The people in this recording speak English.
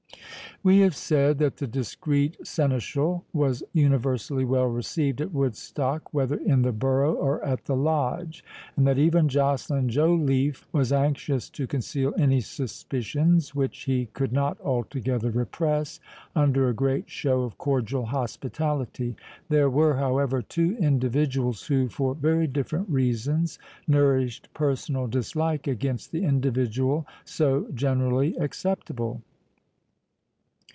We have said, that the discreet seneschal was universally well received at Woodstock, whether in the borough or at the Lodge, and that even Joceline Joliffe was anxious to conceal any suspicions which he could not altogether repress, under a great show of cordial hospitality. There were, however, two individuals, who, for very different reasons, nourished personal dislike against the individual so generally acceptable.